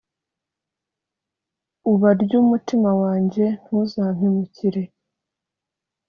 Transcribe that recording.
uba ry’umutima wanjye ntuza mpemukire